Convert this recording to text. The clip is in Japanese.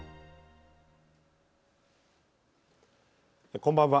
こんばんは。